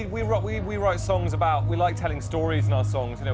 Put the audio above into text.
kita menulis lagu tentang kita suka menceritakan cerita dalam lagu lagu kita